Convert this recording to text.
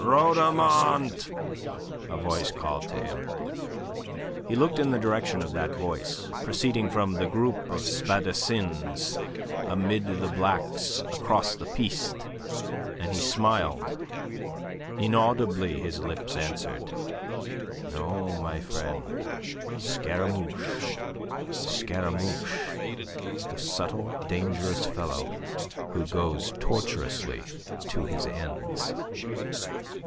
"Rhodomont!" a voice called to him. He looked in the direction of that voice, proceeding from the group of spadassins amid the Blacks across the Piste, and he smiled. Inaudibly his lips answered: "No, my friend Scaramouche; Scaramouche, the subtle, dangerous fellow who goes tortuously to his ends."